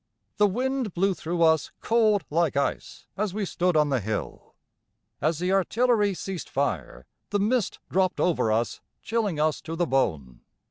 The wind blew through us cold like ice as we stood on the hill; as the artillery ceased fire the mist dropped over us chilling us to the bone.